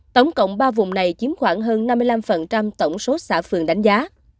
tổng cộng ba vùng này chiếm khoảng hơn năm mươi năm tổng số xã phường đánh giá